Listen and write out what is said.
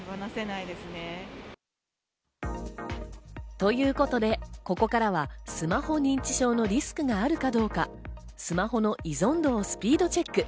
ということでここからはスマホ認知症のリスクがあるかどうか、スマホの依存度をスピードチェック。